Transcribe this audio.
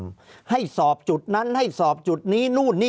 ภารกิจสรรค์ภารกิจสรรค์